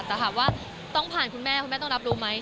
แต่ถามว่าต้องผ่านคุณแม่คุณแม่ต้องรับรู้ไหม